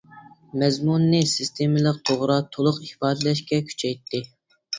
مەزمۇنىنى سىستېمىلىق، توغرا، تولۇق ئىپادىلەشكە كۈچەيتتى.